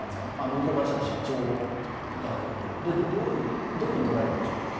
運航会社の社長がというのは、どういうふうに捉えればいいでしょうか。